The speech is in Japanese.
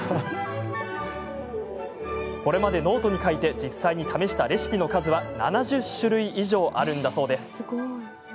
これまでノートに書いて実際に試したレシピの数は７０種類以上あるんだそうです。